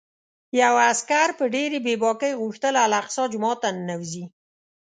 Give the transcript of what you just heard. یوه عسکر په ډېرې بې باکۍ غوښتل الاقصی جومات ته ننوځي.